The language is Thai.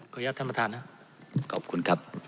อนุญาตท่านประธานนะขอบคุณครับ